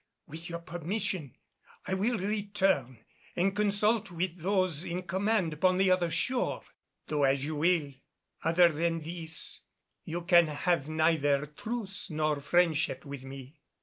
With your permission I will return and consult with those in command upon the other shore." "Do as you will. Other than this you can have neither truce nor friendship with me."